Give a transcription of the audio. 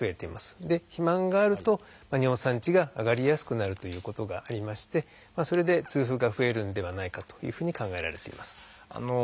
で肥満があると尿酸値が上がりやすくなるということがありましてそれで痛風が増えるんではないかというふうに考えられています。